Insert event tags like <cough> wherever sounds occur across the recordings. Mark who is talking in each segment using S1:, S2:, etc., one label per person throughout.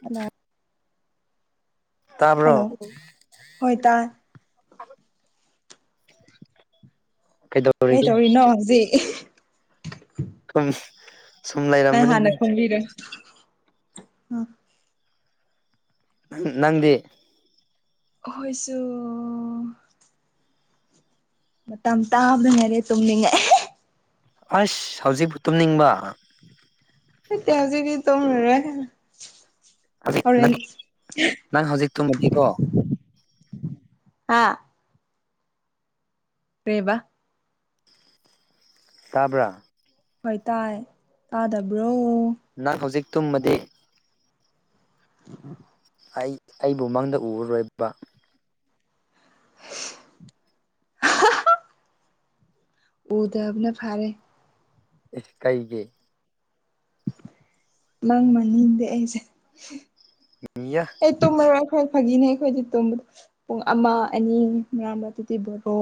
S1: Hello
S2: ꯇꯥꯕꯔꯣ
S1: hello ꯍꯣꯏ ꯇꯥꯏ
S2: ꯀꯩꯗ
S1: ꯀꯩꯇꯧꯔꯤꯅꯣ ꯍꯧꯖꯤꯛ
S2: <unintelligible>
S1: ꯅ ꯍꯥꯟꯅ
S2: ꯂꯩꯔꯝꯕꯅꯤꯅ
S1: ꯈꯨꯝꯕꯤꯔꯦ
S2: ꯅꯪꯗꯤ
S1: ꯍꯣꯏꯁꯨ ꯃꯇꯝ ꯇꯥꯕꯅ ꯍꯦꯜꯂꯦ ꯇꯨꯝꯅꯤꯡꯉꯦ꯫
S2: ꯑꯁ ꯍꯧꯖꯤꯛꯄꯨ ꯇꯨꯝꯅꯤꯡꯕ
S1: ꯅꯠꯇꯦ ꯍꯧꯖꯤꯛꯇꯤ ꯇꯨꯝꯃꯔꯣꯏ ꯍꯣꯔꯦꯟ
S2: ꯅꯪ ꯅꯪ ꯍꯧꯖꯤꯛ ꯇꯨꯝꯃꯗꯤꯀꯣ
S1: ꯑꯥ ꯀꯩꯕ
S2: ꯇꯥꯕ꯭ꯔꯥ
S1: ꯍꯣꯏ ꯇꯥꯏ ꯇꯥꯗꯕ꯭ꯔꯣ
S2: ꯅꯪ ꯍꯧꯖꯤꯛ ꯇꯨꯝꯃꯗꯤ
S1: <inaudible>
S2: ꯑꯩ ꯑꯩꯕꯨ ꯃꯪꯗ ꯎꯔꯔꯣꯏꯕ
S1: ꯎꯗꯕꯅ ꯐꯔꯦ
S2: ꯏꯁ ꯀꯩꯒꯤ
S1: ꯅꯪ ꯃꯥꯟꯅꯤꯡꯗꯦ ꯑꯩꯁꯦ
S2: ꯑꯩꯌꯥ
S1: ꯑꯩ ꯇꯨꯝꯃꯔꯣꯏ ꯑꯩꯈꯣꯏ ꯐꯥꯒꯤꯅꯦ ꯑꯩꯈꯣꯏꯗꯤ ꯇꯨꯝ ꯄꯨꯡ ꯑꯃ ꯑꯅꯤ ꯉꯥꯡꯕ ꯑꯗꯨꯗꯤ ꯕꯣꯔꯣ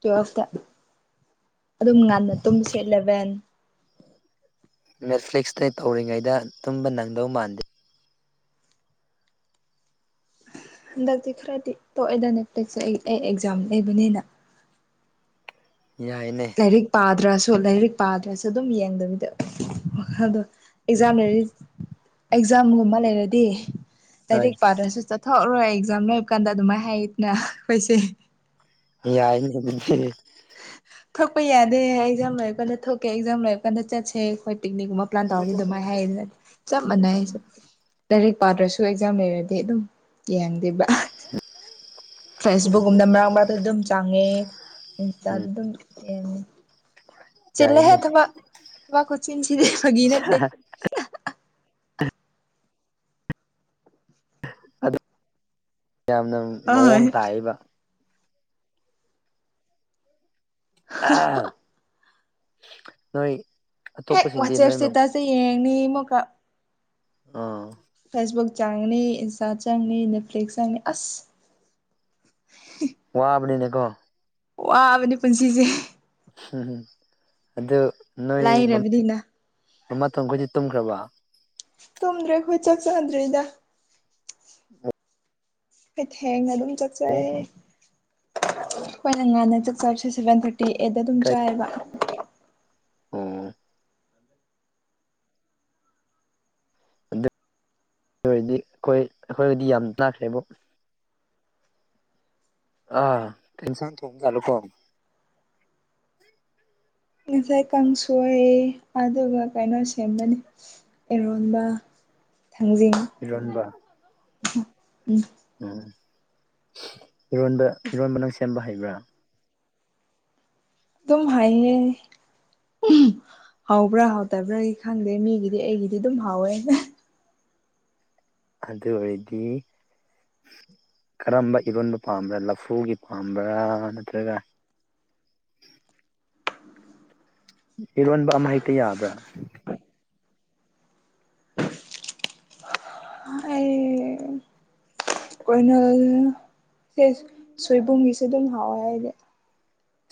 S1: ꯇꯨꯋꯦꯜꯐꯇ ꯑꯗꯨꯝ ꯉꯟꯅ ꯇꯨꯝꯁꯦ ꯏꯂꯕꯦꯟ
S2: ꯅꯦꯠꯐ꯭ꯂꯤꯛꯁꯇ ꯇꯧꯔꯤꯉꯩꯗ ꯇꯨꯝꯕ ꯅꯪꯗꯧ ꯃꯥꯟꯗꯦ
S1: ꯍꯟꯗꯛꯇꯤ ꯈꯔꯗꯤ ꯇꯣꯛꯑꯦꯗ ꯅꯦꯠꯐ꯭ꯂꯤꯛꯁꯁꯦ ꯑꯩ ꯑꯩ ꯑꯦꯛꯖꯥꯝ ꯂꯩꯕꯅꯤꯅ
S2: ꯌꯥꯏꯅꯦ
S1: ꯂꯥꯏꯔꯤꯛ ꯄꯥꯗ꯭ꯔꯁꯨ ꯂꯥꯏꯔꯤꯛ ꯄꯥꯗ꯭ꯔꯁꯨ ꯑꯗꯨꯝ ꯌꯦꯡꯗꯕꯤꯗ ꯑꯗꯣ ꯑꯦꯛꯖꯥꯝ ꯂꯩꯔꯗꯤ ꯑꯦꯛꯖꯥꯝꯒꯨꯝꯕ ꯂꯩꯔꯗꯤ
S2: ꯍꯣꯏ
S1: ꯂꯥꯏꯔꯤꯛ ꯄꯥꯗ꯭ꯔꯁꯨ ꯆꯠꯊꯣꯛꯑꯔꯣꯏ ꯑꯦꯛꯖꯥꯝ ꯂꯣꯏꯔ ꯀꯥꯟꯗ ꯑꯗꯨꯃꯥꯏꯅ ꯍꯥꯏꯌꯦꯅ ꯑꯩꯈꯣꯏꯁꯦ
S2: ꯌꯥꯏꯅꯦ
S1: ꯊꯣꯛꯄ ꯌꯥꯗꯦ ꯑꯦꯛꯖꯥꯝ ꯂꯣꯏꯔ ꯀꯥꯟꯗ ꯊꯣꯛꯀꯦ ꯑꯦꯛꯖꯥꯝ ꯂꯣꯏꯔ ꯀꯥꯟꯗ ꯆꯠꯁꯦ ꯑꯩꯈꯣꯏ ꯄꯤꯛꯅꯤꯛꯀꯨꯝꯕ ꯇꯧꯔꯅꯤ ꯗꯨꯃꯥꯏ ꯍꯥꯏ ꯆꯞ ꯃꯅꯩ ꯑꯩꯁꯨ ꯂꯥꯏꯔꯤꯛ ꯄꯥꯗ꯭ꯔꯁꯨ ꯑꯦꯛꯖꯥꯝ ꯂꯩꯔꯗꯤ ꯑꯗꯨꯝ ꯌꯦꯡꯗꯦꯕ
S2: ꯎꯝ
S1: ꯐꯦꯁꯕꯨꯛꯀꯨꯝꯅ ꯃꯔꯛ ꯃꯔꯛꯇ ꯑꯗꯨꯝ ꯆꯪꯉꯦ
S2: ꯎꯝ
S1: ꯏꯟꯁꯇꯥꯗ ꯑꯗꯨꯝ ꯌꯦꯉ ꯆꯤꯜꯂꯦꯍꯦ
S2: ꯌꯥꯏꯅꯦ
S1: ꯊꯕꯛ ꯊꯕꯥꯛ ꯈꯨꯆꯤꯟꯁꯤꯗꯤ ꯐꯒꯤ ꯅꯠꯇꯦ
S2: ꯌꯥꯝꯅ ꯃꯑꯣꯡ ꯇꯥꯏꯕ ꯅꯣꯏ
S1: ꯍꯦꯛ
S2: ꯑꯇꯣꯞꯄꯁꯤꯡꯗꯤ
S1: ꯋꯥꯆꯦꯞ
S2: ꯅꯣꯏ
S1: ꯏꯁꯇꯦꯇꯁ ꯌꯦꯡꯅꯤ ꯑꯃꯨꯀ
S2: ꯑ
S1: ꯐꯦꯁꯕꯨꯛ ꯆꯪꯅꯤ ꯏꯟꯁꯇꯥ ꯆꯪꯅꯤ ꯅꯦꯠꯐ꯭ꯂꯤꯛꯁ ꯆꯪꯅꯤ ꯑꯁ
S2: ꯋꯥꯕꯅꯤꯅꯦꯀꯣ
S1: ꯋꯥꯕꯅꯤ ꯄꯨꯟꯁꯤꯁꯦ
S2: ꯎꯝ ꯑꯗꯨ ꯅꯣꯏ
S1: ꯂꯥꯏꯔꯕꯅꯤꯅ
S2: ꯃꯃꯥ ꯈꯣꯏꯗꯤ ꯇꯨꯝꯈ꯭ꯔꯕ
S1: ꯇꯨꯝꯗ꯭ꯔꯤ ꯑꯩꯈꯣꯏ ꯆꯥꯛ ꯆꯥꯗ꯭ꯔꯤꯗ
S2: ꯑ
S1: ꯑꯩꯈꯣꯏ ꯊꯦꯡꯅ ꯑꯗꯨꯝ ꯆꯥꯛ ꯆꯥꯏꯌꯦ ꯈꯣꯏꯅ ꯉꯟꯅ ꯆꯥꯛ ꯆꯥꯕꯁꯦ ꯁꯚꯦꯟ ꯊꯥꯔꯇꯤ ꯑꯦꯠꯇ ꯑꯗꯨꯝ
S2: ꯀꯩ
S1: ꯆꯥꯏꯕ
S2: ꯑꯣ ꯑꯗꯨ ꯑꯗꯨ ꯑꯣꯏꯔꯗꯤ ꯑꯩꯈꯣꯏ ꯑꯩꯈꯣꯏꯗꯤ ꯌꯥꯝ ꯂꯥꯛꯈ꯭ꯔꯦꯕꯨ ꯑ ꯀꯩ ꯎꯟꯁꯥꯡ ꯊꯣꯡꯕ ꯖꯠꯂꯣꯀꯣ
S1: ꯉꯁꯥꯏ ꯀꯥꯡꯁꯣꯏ ꯑꯗꯨꯒ ꯀꯩꯅꯣ ꯁꯦꯝꯕꯅꯤ ꯑꯦꯔꯣꯟꯕ ꯊꯥꯡꯖꯤꯡ
S2: ꯏꯔꯣꯟꯕ
S1: ꯎꯝ
S2: ꯎꯝ ꯏꯔꯣꯟꯕ ꯏꯔꯣꯟꯕ ꯅꯪ ꯁꯦꯝꯕ ꯍꯩꯕ꯭ꯔꯥ
S1: ꯑꯗꯨꯝ ꯍꯥꯏꯌꯦ ꯍꯕ꯭ꯔꯥ ꯍꯥꯎꯇꯕ꯭ꯔꯥꯒꯤ ꯈꯪꯗꯦ ꯃꯤꯒꯤꯗꯤ ꯑꯩꯒꯤꯗꯤ ꯑꯗꯨꯝ ꯍꯥꯎꯋꯦꯅ
S2: ꯑꯗꯨ ꯑꯗꯨ ꯑꯣꯏꯗꯤ ꯀꯔꯝꯕ ꯏꯔꯣꯟꯕ ꯄꯥꯝꯕ꯭ꯔꯥ ꯂꯐꯨꯒꯤ ꯄꯥꯝꯕ꯭ꯔꯥ ꯅꯠꯇ꯭ꯔꯒ ꯏꯔꯣꯟꯕ ꯑꯃ ꯍꯦꯛꯇ ꯌꯥꯕ꯭ꯔꯥ
S1: ꯑꯩ ꯀꯅꯜ ꯁꯦ ꯁꯣꯏꯕꯨꯝꯒꯤꯁꯨ ꯑꯗꯨꯝ ꯍꯥꯎꯋꯦ ꯍꯥꯏꯗꯤ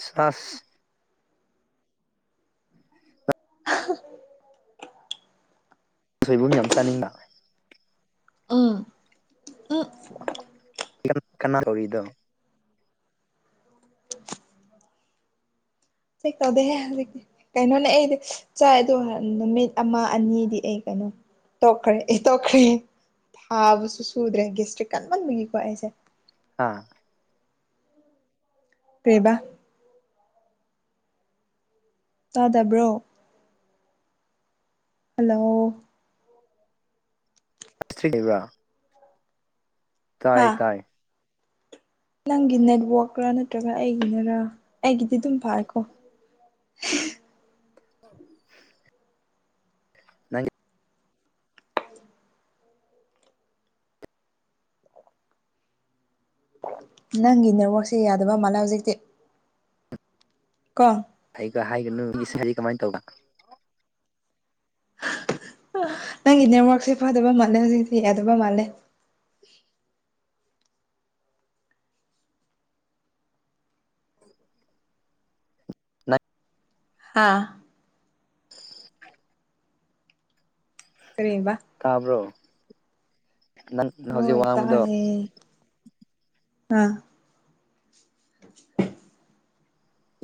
S2: ꯆꯁ
S1: <unintelligible>
S2: ꯁꯣꯏꯕꯨꯝ ꯌꯥꯝ ꯆꯥꯅꯤꯡꯕ
S1: ꯎꯝ ꯎꯝ
S2: ꯈꯅꯔꯣꯏꯗꯣ
S1: ꯆꯦꯛ ꯇꯧꯗꯦꯍꯦ ꯍꯧꯖꯤꯛꯇꯤ ꯀꯩꯅꯣꯅꯦ ꯑꯩꯗꯤ ꯆꯥꯏꯗꯣ ꯅꯨꯃꯤꯠ ꯑꯃ ꯑꯅꯤꯗꯤ ꯑꯩ ꯀꯩꯅꯣ ꯇꯣꯛꯈ꯭ꯔꯦ ꯑꯦ ꯇꯣꯛꯈ꯭ꯔꯦ ꯊꯥꯕꯁꯨ ꯁꯨꯗ꯭ꯔꯦ ꯒꯦꯁꯇ꯭ꯔꯤ ꯀꯟꯃꯟꯕꯒꯤꯀꯣ ꯑꯩꯁꯦ
S2: ꯍꯥꯥ
S1: ꯄꯩꯕ ꯇꯥꯗꯕ꯭ꯔꯣ ꯍꯜꯂꯣ
S2: ꯁꯤ꯭ꯔꯤꯅꯤꯕ ꯇꯥꯏ
S1: ꯍꯥ
S2: ꯇꯥꯏ
S1: ꯅꯪꯒꯤ ꯅꯦꯠꯋꯥꯛꯔꯥ ꯅꯠꯇ꯭ꯔꯒ ꯑꯩꯒꯤꯅꯔ ꯑꯩꯒꯤꯗꯤ ꯑꯗꯨꯝ ꯐꯀꯣ
S2: <unintelligible> ꯅꯪ
S1: ꯅꯪꯒꯤ ꯅꯦꯠꯋꯥꯛꯁꯦ ꯌꯥꯗꯕ ꯃꯥꯜꯂꯦ ꯍꯧꯖꯤꯛꯇꯤ ꯀ
S2: ꯑꯩꯒ ꯍꯥꯏꯒꯅꯨ ꯃꯤꯁꯤꯡ ꯍꯥꯏꯗꯤ ꯀꯃꯥꯏꯅ ꯇꯧꯕ
S1: ꯅꯪꯒꯤ ꯅꯦꯠꯋꯔꯛꯁꯦ ꯐꯗꯕ ꯃꯥꯜꯂꯦ ꯍꯧꯖꯤꯛꯇꯤ ꯌꯥ ꯌꯥꯗꯕ ꯃꯥꯜꯂꯦ
S2: ꯅꯪ
S1: ꯍꯥꯥ ꯀꯔꯤꯕ
S2: ꯇꯥꯕ꯭ꯔꯣ ꯅꯪ ꯍꯧꯖꯤꯛ
S1: ꯍꯣꯏ
S2: ꯋꯥꯡꯕꯗꯣ
S1: ꯇꯥꯏꯌꯦ ꯑꯥ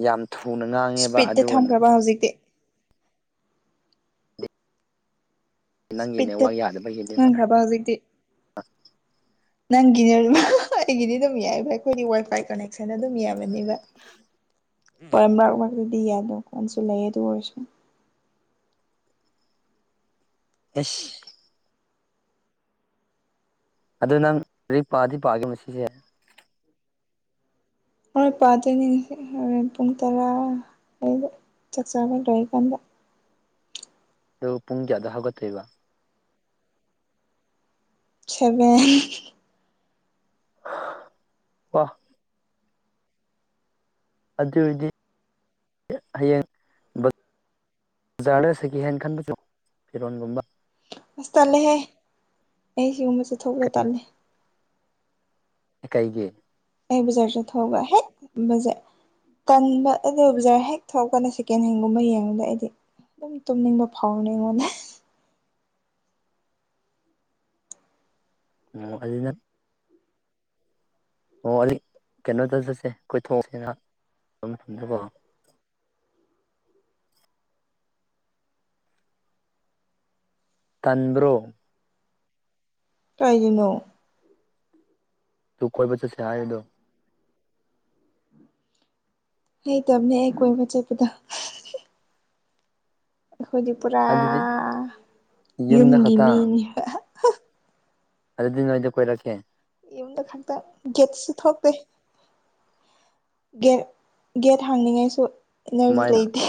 S2: ꯌꯥꯝ ꯊꯨꯅ ꯉꯥꯡꯉꯦꯕ ꯑꯗꯨ ꯑꯣꯏꯅ
S1: ꯍꯧꯖꯤꯛ
S2: ꯅꯪꯒꯤ
S1: ꯏꯁꯄꯤꯠꯇ
S2: ꯅꯦꯠꯋꯥꯛ ꯌꯥꯗꯕꯒꯤꯅꯦ
S1: ꯉꯪꯈ꯭ꯔꯕ ꯍꯧꯖꯤꯛꯇꯤ ꯅꯪꯒꯤꯅꯦ ꯑꯩꯒꯤꯗꯤ ꯑꯗꯨꯝ ꯌꯥꯏꯕ ꯑꯩꯈꯣꯏꯗꯤ ꯋꯥꯏ ꯐꯥꯏ ꯀꯅ ꯁꯦꯟ ꯑꯗꯨꯝ ꯌꯥꯝꯃꯅꯦꯕ ꯍ ꯃꯔꯛ ꯃꯔꯛꯇꯗꯤ ꯌꯥꯗ ꯀꯣꯟꯁꯨ ꯂꯩ ꯑꯗꯨ ꯑꯣꯏꯔꯁꯨ
S2: ꯑꯁ ꯑꯗꯨ ꯅꯪ ꯂꯔꯤ ꯄꯥꯗꯤ ꯄꯥꯒꯦ ꯃꯁꯤꯁꯦ
S1: ꯃꯣꯏ ꯏꯄꯥ ꯇꯣꯏꯅꯤꯡꯁꯤꯦ ꯍꯣꯔꯦꯟ ꯄꯨꯡ ꯇꯔꯥ ꯑꯗ ꯆꯥꯛ ꯆꯥꯕ ꯂꯣꯏꯔꯤꯀꯥꯟꯗ
S2: ꯑꯗꯨ ꯄꯨꯡꯗꯤ ꯑꯗ ꯍꯧꯒꯠꯇꯣꯏꯕ
S1: ꯁꯕꯦꯟ
S2: ꯋꯥ ꯑꯗꯨꯏꯗꯤ ꯍꯌꯦꯡ ꯕꯖꯥꯔꯗ ꯁꯦꯀꯦꯟ ꯈꯟꯕꯁꯨ ꯐꯤꯔꯣꯟꯒꯨꯝꯕꯥ
S1: ꯑꯁ ꯇꯜꯂꯦꯍꯦ ꯑꯩ ꯁꯤꯒꯨꯝꯕ ꯆꯠꯊꯣꯛꯧꯕꯗ
S2: ꯀꯩ
S1: ꯇꯜꯂꯦ
S2: ꯀꯩꯒꯤ
S1: ꯑꯩ ꯕꯖꯥꯔ ꯆꯠꯊꯣꯛꯑꯒ ꯍꯦꯛ ꯕꯖ ꯇꯟꯕ ꯑꯗꯨ ꯕꯖꯥꯔ ꯍꯦꯛ ꯊꯣꯛꯄꯅ‌ꯦ ꯁꯦꯀꯦꯟ ꯍꯦꯟꯒꯨꯝꯕ ꯌꯦꯡꯕꯗ ꯑꯩꯗꯤ ꯑꯗꯨꯝ ꯇꯨꯝꯅꯤꯡꯕ ꯐꯥꯎꯕꯅꯤ ꯑꯩꯉꯣꯟꯗ
S2: ꯑꯣ ꯑꯩꯅ‌ꯦ ꯑꯣ ꯂꯤꯛ ꯀꯩꯅꯣꯗꯧ ꯆꯠꯁꯦ ꯀꯣꯏꯊꯣꯛꯁꯦꯅ <unintelligible> ꯐꯝꯗꯀꯣ ꯇꯟꯕ꯭ꯔꯣ
S1: ꯀꯩꯒꯤꯅꯣ
S2: ꯗꯨꯨ ꯀꯣꯏꯕ ꯆꯠꯁꯦ ꯍꯥꯏꯕꯗꯣ
S1: ꯍꯩꯇꯕꯅꯦ ꯑꯩ ꯀꯣꯏꯕ ꯆꯠꯄꯗ‌ꯣ ꯑꯩꯈꯣꯏꯗꯤ ꯄꯨꯔꯥ
S2: ꯑꯗꯨꯗꯤ ꯌꯨꯝꯗ
S1: ꯌꯨꯝꯒꯤ
S2: ꯈꯛꯇ
S1: ꯃꯤꯅꯤꯕ
S2: ꯑꯗꯨꯗꯤ ꯅ‌ꯣꯏꯗ ꯀꯣꯏꯔꯛꯀꯦ
S1: ꯌꯨꯝꯗ ꯈꯛꯇ ꯒ‌ꯦꯠꯁꯨ ꯊ‌ꯣꯛꯇꯦ ꯒꯦꯠ ꯒꯦꯠ ꯍꯥꯡꯅꯤꯡꯉꯥꯏꯁꯨ ꯏꯅꯔꯖꯤ
S2: ꯀꯃꯥꯏꯅ
S1: ꯂꯩꯇꯦ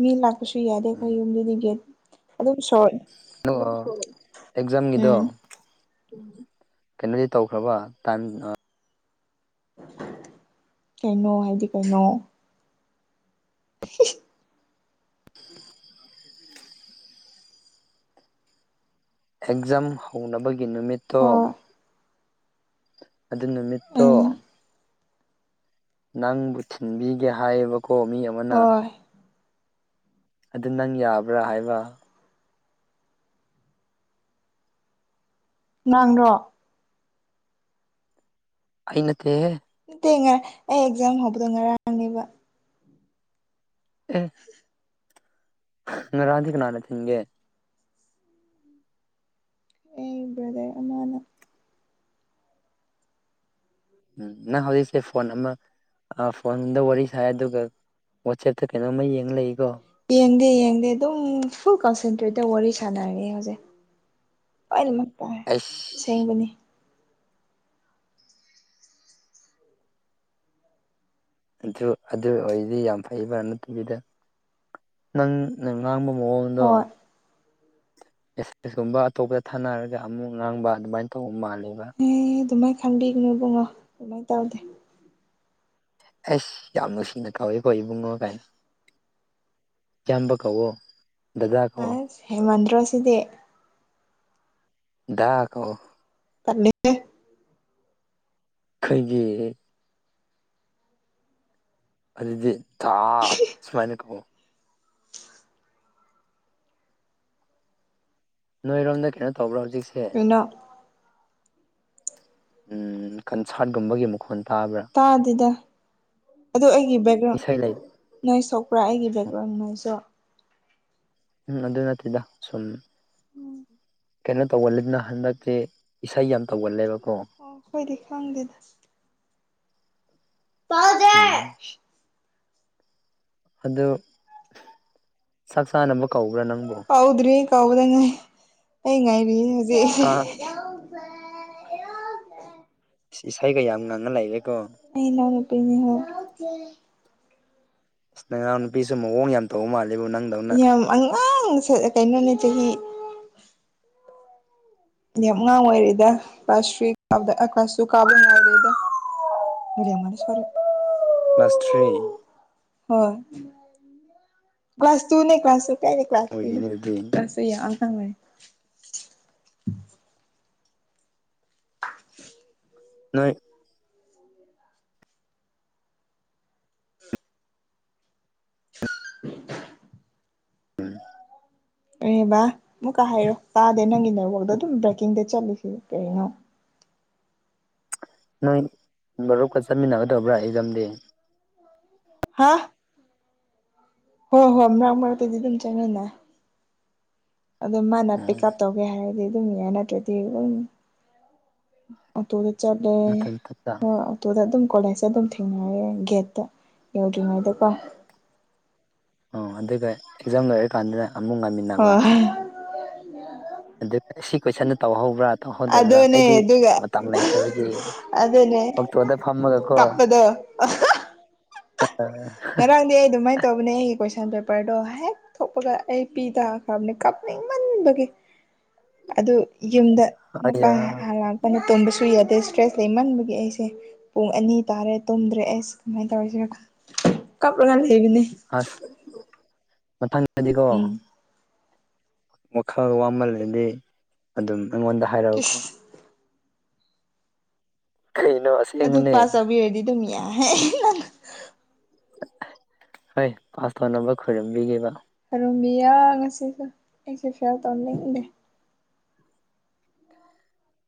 S1: ꯃꯤ ꯂꯥꯛꯄꯁꯨ ꯌꯥꯗꯦ ꯑꯩꯈꯣꯏ ꯌꯨꯝꯗꯨꯗꯤ ꯒꯦꯠ ꯑꯗꯨꯝ ꯁ‌ꯣꯏ
S2: ꯑꯗ‌ꯣ ꯑꯦꯛꯖꯥꯝꯒꯤꯗ‌ꯣ ꯀꯩꯅꯣꯗꯤ ꯇꯧꯈ꯭ꯔꯕ ꯇꯥꯏꯝ ꯑꯥ
S1: ꯀꯩꯅꯣ ꯍꯥꯏꯗꯤ ꯀꯩꯅꯣ <unintelligible>
S2: <unintelligible> ꯑꯦꯛꯖꯥꯝ ꯍꯧꯅꯕꯒꯤ ꯅꯨꯃꯤꯠꯇꯣ
S1: ꯍꯣꯏ
S2: ꯑꯗꯨ ꯅꯨꯃꯤꯠꯇꯣ
S1: ꯎꯝ
S2: ꯅꯪꯕꯨ ꯊꯤꯟꯕꯤꯒꯦ ꯍꯥꯏꯌꯦꯕꯀꯣ ꯃꯤ ꯑꯃ
S1: ꯍꯣꯏ
S2: ꯑꯗꯨ ꯅꯪ ꯌꯥꯕ꯭ꯔꯥ ꯍꯥꯏꯕ
S1: ꯅꯪꯔ‌ꯣ
S2: ꯑꯩ ꯅꯠꯇ‌ꯦꯍ‌ꯦ
S1: ꯅꯠꯇꯦ ꯉꯔ ꯑꯩ ꯑꯦꯛꯖꯥꯝ ꯍꯧꯕꯗꯣ ꯉꯔꯥꯡꯅꯦꯕ
S2: ꯑꯦ
S1: <unintelligible>
S2: ꯉꯔꯥꯡꯗꯤ ꯀꯅꯥꯅ ꯊꯤꯟꯒꯦ
S1: ꯑꯩ ꯕ꯭ꯔꯗꯔ ꯑꯃꯅ
S2: ꯎꯝ ꯅꯪ ꯍꯧꯖꯤꯛꯁꯦ ꯐꯣꯟ ꯑꯃ ꯑ ꯐꯣꯟꯗ ꯋꯥꯔꯤ ꯁꯥꯏ ꯑꯗꯨꯒ ꯋꯥꯆ‌ꯦꯞꯇ ꯀꯩꯅꯣꯃ ꯌꯦꯡ ꯂꯩꯒꯣ
S1: ꯌꯦꯡꯗꯦ ꯌꯦꯡꯗꯦ ꯑꯗꯨꯝ ꯐꯨꯜ ꯀꯟꯁꯦꯟꯇ꯭ꯔꯦꯠꯇ ꯋꯥꯔꯤ ꯁꯥꯟꯅꯔꯤ ꯍꯧꯖꯤꯛ ꯂꯣꯏꯅꯃꯛ ꯇꯥꯏ
S2: ꯑꯩꯁ
S1: ꯑꯁꯦꯡꯕꯅꯤ
S2: ꯑꯗꯨ ꯑꯗꯨ ꯑꯣꯏꯔꯗꯤ ꯌꯥꯝ ꯐꯩꯕꯥ ꯅꯠꯇꯕꯤꯗ ꯅꯪ ꯅꯪ ꯉꯥꯡꯕ ꯃꯑꯣꯡꯗꯣ
S1: ꯍꯣꯏ
S2: ꯃ‌ꯦꯁ‌ꯦꯁ ꯀꯨꯝꯕ ꯑꯇꯣꯞꯄꯗ ꯊꯥꯅꯔꯒ ꯑꯃꯨꯛ ꯉꯥꯡꯕ ꯑꯗꯨꯃꯥꯏꯅ ꯇꯧꯕ ꯃꯥꯜꯂꯦꯕ
S1: ꯑꯦ ꯑꯗꯨꯃꯥꯏꯅ ꯈꯪꯕꯤꯒꯅꯨ ꯏꯕꯨꯡꯉꯣ ꯑꯗꯨꯃꯥꯏ ꯇꯧꯗꯦ
S2: ꯑꯩꯁ ꯌꯥꯝ ꯅꯨꯡꯁꯤꯅ ꯀꯥꯎꯏꯀꯣ ꯏꯕꯨꯡꯉꯣ ꯀꯥꯏꯅ ꯑꯌꯥꯝꯕ ꯀꯧꯋꯣ ꯗꯥꯗꯥ ꯀꯧꯋ‌ꯣ
S1: ꯍꯦꯟꯃꯟꯗ꯭ꯔꯣ ꯁꯤꯗꯤ
S2: ꯗꯥ ꯀꯧ
S1: ꯇꯜꯂ‌ꯦ <inaudible>
S2: ꯀꯩꯒꯤ ꯑꯗꯨꯗꯤ ꯗꯥ ꯁꯨꯃꯥꯏꯅ ꯀꯧ ꯅꯣꯏꯔꯣꯝꯗ ꯀꯩꯅꯣ ꯇꯧꯕ꯭ꯔꯥ ꯍꯧꯖꯤꯛꯁꯦ
S1: ꯀꯩꯅ‌ꯣ
S2: ꯎꯝ ꯀꯟꯁꯥꯔꯠꯒꯨꯝꯕꯒꯤ ꯃꯈꯣꯟ ꯇꯥꯕ꯭ꯔꯥ
S1: ꯇꯥꯗꯦꯗ ꯑꯗꯨ ꯑꯩꯒꯤ ꯕꯦꯛꯒ꯭ꯔꯥꯎꯟ
S2: ꯏꯁꯩ ꯂꯩ
S1: ꯅꯣꯏ ꯁꯣꯛꯄ꯭ꯔꯥ ꯑꯩꯒꯤ ꯕꯦꯛꯒ꯭ꯔꯥꯎꯟꯉꯁꯨ
S2: ꯎꯝ ꯑꯗꯨ ꯅꯠꯇꯦꯗ ꯁꯨꯝ ꯀꯩꯅꯣ ꯇꯧꯒꯜꯂꯤꯗꯅ ꯍꯟꯗꯛꯇꯤ ꯏꯁꯩ ꯌꯥꯝ ꯇꯧꯒꯜꯂꯦꯕꯀꯣ
S1: ꯑꯣ ꯈꯣꯏꯗꯤ ꯈꯪꯗꯦꯗ ꯄꯥꯗ
S2: ꯎꯝ ꯑꯗꯨ ꯆꯥꯛ ꯆꯥꯅꯕ ꯀꯧꯕ꯭ꯔꯥ ꯅꯪꯕꯨ
S1: ꯀꯧꯗ꯭ꯔꯤ ꯀꯧꯕ ꯉꯥꯏ ꯑꯩ ꯉꯥꯏꯔꯤꯌꯦ ꯍꯧꯖꯤꯛ
S2: ꯍꯥ
S1: ꯑꯩ ꯌꯥꯎꯁꯦ ꯌꯥꯎꯁꯦ
S2: ꯏꯁ ꯏꯁꯩꯒ ꯌꯥꯝ ꯉꯪꯉ ꯂꯩꯔꯦꯀꯣ
S1: ꯑꯩ ꯏꯅꯥꯎꯅꯨꯄꯤꯅꯤ ꯍꯦ
S2: ꯏꯁ ꯅꯔꯎ ꯅꯨꯄꯤꯁꯨ ꯃꯑꯣꯡ ꯌꯥꯝ ꯇꯧꯕ ꯃꯥꯜꯂꯦꯕ ꯅꯪ
S1: ꯌꯥꯝ ꯑꯉꯥꯡ ꯁꯤ ꯀꯩꯅꯣꯅꯦ ꯆꯍꯤ ꯌꯥꯝ ꯑꯉꯥꯡ ꯑꯣꯏꯔꯤꯗ ꯀ꯭ꯂꯥꯁ ꯊ꯭ꯔꯤ ꯀꯥꯕꯗ ꯀ꯭ꯂꯥꯁ ꯇꯨ ꯀꯥꯕꯗ ꯉꯥꯏꯔꯤꯗ ꯃꯗꯤꯦ ꯃꯦ ꯁꯣꯔꯦ <unintelligible>
S2: ꯀ꯭ꯂꯥꯁ ꯊ꯭ꯔꯤ
S1: ꯍꯣꯏ ꯀ꯭ꯂꯥꯁ ꯇꯨꯅꯦ ꯀ꯭ꯂꯥꯁ ꯇꯨ ꯀꯥꯏꯗꯩ ꯀ꯭ꯂꯥꯁ
S2: ꯑꯣꯏꯔꯤꯅꯦ
S1: ꯊꯔꯤꯅꫭ
S2: ꯑꯗꯨꯗꯤ
S1: ꯑꯁ ꯑꯗꯨ ꯌꯥꯝ ꯑꯉꯥꯡ‌ ꯑꫭꯏꯔꯤ <unintelligible>
S2: ꯅꯣꯏ
S1: <unintelligible>
S2: ꯎꯝ
S1: ꯀꯩꯕꯥ ꯑꯃꯨꯛꯀ ꯍꯥꯏꯔꯣ ꯇꯥꯗꯦ ꯅꯪꯒꯤ ꯅꯑꫭꯡꯗꯣ ꯑꯗꯨꯝ ꯕ꯭ꯔꯦꯛꯀꯤꯡꯗ ꯆꯠꯂꯤꯁꯤ ꯀꯩꯅꯣ
S2: ꯅꯪ ꯃꯔꯨꯞꯀ ꯆꯠꯃꯤꯟꯅꯒꯗꯕ꯭ꯔꯥ ꯑꯦꯛꯖꯥꯝꯗꯤ
S1: ꯍꯥ ꯍꯣ ꯍꯣ ꯃꯔꯡ ꯃꯔꯛꯇꯗꯤ ꯑꯗꯨꯝ ꯆꯠꯃꯤꯟꯅ ꯑꯗꯨ ꯃꯥꯅ ꯄꯤꯛ
S2: ꯎꯝ
S1: ꯀꯞ ꯇꯧꯒꯦ ꯍꯥꯏꯔꯗꯤ ꯑꯗꯨꯝ ꯌꯥꯏ ꯅꯠꯇ꯭ꯔꯗꯤ ꯑꯗꯨꯝ ꯑꫭꯛꯇꯣꯗ ꯆꯠꯂꯦ
S2: ꯃꯊꯟ ꯃꯊꯟꯇ
S1: ꯍ ꯑꯣꯇꯣꯗ ꯑꯗꯨꯝ ꯀꯣꯂꯦꯁꯇ ꯑꯗꯨꯝ ꯊꯦꯡꯅꯔꯦ ꯒꯦꯠꯇ ꯌꯧꯗ꯭ꯔꯤꯉꯩꯗꯀꯣ
S2: ꯑꯣ ꯑꯗꯨꯒ ꯑꯦꯛꯖꯥꯝ ꯂꯣꯏꯔꯀꯥꯟꯗꯨꯅ ꯑꯃꯨꯛ ꯉꯥꯏꯃꯤꯟꯅꯕ
S1: ꯍꯣꯏ
S2: ꯑꯗꯨꯒ ꯁꯤ ꯀꯣꯏꯁꯟꯖꯦ ꯇꯧꯍꯧꯕ꯭ꯔꯥ ꯇꯧꯍꯧꯗꯕ꯭ꯔꯥ
S1: ꯑꯗꯨꯅꯦ
S2: ꯑꯩꯗꯤ
S1: ꯑꯗꯨꯒ
S2: ꯃꯇꯝ ꯂꯩꯇꯕꯒꯤ
S1: ꯑꯗꯨꯅꯦ
S2: ꯑꯣꯛꯇꯣꯗ ꯐꯝꯃꯒꯀꯣ
S1: ꯀꯞꯄꯗꯣ
S2: ꯆꯠꯇꯥꯔ
S1: ꯉꯔꯥꯡꯗꯤ ꯑꯩ ꯑꯗꯨꯃꯥꯏꯅ ꯇꯧꯕꯅꯦ ꯑꯩꯒꯤ ꯀꯣꯏꯁꯟ ꯄꯦꯄꯔꯗꯣ ꯍꯦꯛ ꯊꯣꯛꯄꯒ ꯑꯩ ꯄꯤ ꯇꯥꯈ꯭ꯔꯕꯅꯤ ꯀꯞꯅꯤꯡꯃꯟꯕꯒꯤ ꯑꯗꯨ ꯌꯨꯝꯗ ꯃꯨꯀꯥ
S2: ꯑꯩꯌꯥ
S1: ꯂꯥꯛꯄꯅ ꯇꯨꯝꯕꯁꯨ ꯌꯥꯗꯦ ꯏꯁꯇ꯭ꯔꯦꯁ ꯂꯩꯃꯟꯕꯒꯤ ꯑꯩꯁꯦ ꯄꯨꯡ ꯑꯅꯤ ꯇꯥꯔꯦ ꯇꯨꯝꯗ꯭ꯔꯦ ꯑꯦꯁ ꯀꯃꯥꯏꯅ ꯇꯧꯔꯁꯤ ꯀꯞꯂꯒ ꯂꯩꯕꯅꯦ
S2: ꯑꯁ ꯃꯊꯪꯗꯗꯤꯀꯣ
S1: ꯎꯝ
S2: ꯋꯥꯈꯜ ꯋꯥꯃꯜꯂꯗꯤ ꯑꯗꯨꯝ ꯑꯩꯉꯣꯟꯗ ꯍꯥꯏꯔꯛꯎꯀꯣ
S1: ꯏꯁ
S2: ꯀꯩꯅꯣ
S1: ꯑꯗꯨ
S2: ꯑꯁꯦꯡꯕꯅꯦ
S1: ꯄꯥꯁ ꯆꯥꯕꯤꯔꯗꯤ ꯑꯗꯨꯝ ꯌꯥꯍꯦ ꯅꯪ
S2: ꯍꯣꯏ ꯄꯥꯁ ꯇꯧꯅꯕ ꯈꯣꯏꯔꯝꯕꯤꯒꯦꯕ
S1: ꯔꯨꯝꯕꯤꯌꯥ ꯉꯁꯤꯁꯨ ꯑꯩꯁꯨ ꯐꯦꯜ ꯇꯧꯅꯤꯡꯗꯦ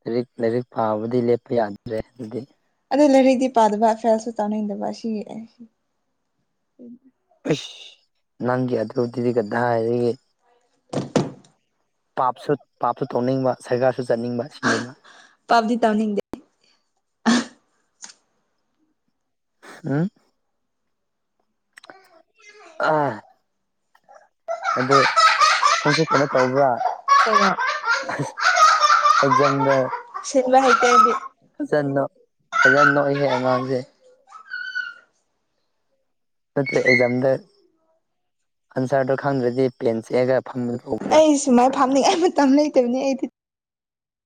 S2: ꯂꯥꯏꯔꯤꯛ ꯂꯥꯏꯔꯤꯛ ꯄꯥꯕꯗꯤ ꯂꯦꯞꯄ ꯌꯥꯗ꯭ꯔꯦ ꯑꯗꯨꯗꯤ
S1: ꯑꯗꯨ ꯂꯩꯥꯏꯔꯤꯛꯇꯤ ꯄꯥꯗꯕ ꯐꯦꯜꯁꯨ ꯇꯥꯅꯤꯡꯗꯕ ꯑꯁꯤꯒꯤ ꯑꯩ ꯎꯝ
S2: ꯑꯩꯁ ꯅꯪꯒꯤ ꯑꯗꯨꯗꯨꯗꯤ ꯀꯗꯥꯏꯗꯒꯤ ꯄꯥꯞꯁꯨ ꯄꯥꯞꯁꯨ ꯇꯧꯅꯤꯡꯕ ꯁꯔꯒꯔꯁꯨ ꯆꯠꯅꯤꯡꯕ ꯁꯤꯅꯦꯕ
S1: ꯄꯥꯕꯗꯤ ꯇꯅꯤꯡꯗꯦ
S2: ꯎꯝ ꯑꯥ ꯑꯗꯨ ꯅꯪꯁꯨ ꯀꯩꯅꯣ ꯇꯧꯕ꯭ꯔꯥ
S1: <unintelligible>
S2: ꯑꯦꯛꯖꯝꯗ
S1: ꯁꯤꯟꯕ ꯍꯩꯇ‌ꯦ ꯑꯩꯗꯤ
S2: ꯐꯖꯅ‌ꯣꯛ ꯐꯖꯅ ꯅꯣꯛꯏꯍꯦ ꯑꯉꯥꯡꯖ‌ꯦ ꯅꯠꯇ‌ꯦ ꯑꯦꯛꯖꯥꯝꯗ ꯑꯟꯁꯥꯔꯗꯣ ꯈꯪꯗ꯭ꯔꯗꯤ ꯄꯦꯟ ꯆꯦꯛꯑꯒ ꯐꯝ
S1: ꯗꯨꯃꯥꯏꯅ ꯐꯥꯝꯅꯤꯡꯉꯥꯏ ꯃꯇꯝ ꯂꯩꯇꯕꯅꯤ ꯑꯩꯗꯤ